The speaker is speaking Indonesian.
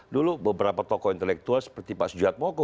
dulu beberapa tokoh intelektual seperti pak sujiwad moko